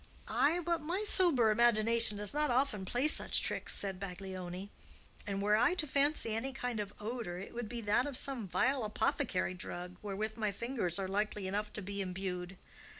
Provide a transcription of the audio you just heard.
"Ay; but my sober imagination does not often play such tricks," said Baglioni; "and, were I to fancy any kind of odor, it would be that of some vile apothecary drug, wherewith my fingers are likely enough to be imbued.